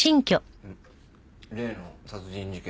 例の殺人事件